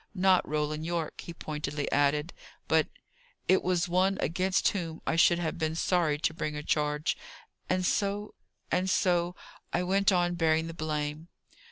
Not Roland Yorke," he pointedly added. "But it was one against whom I should have been sorry to bring a charge. And so and so I went on bearing the blame."